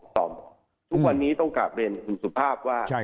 ทุกวันนี้ต้องการเรียนสุขภาพว่า